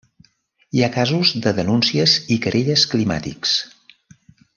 Hi ha casos de denúncies i querelles climàtics.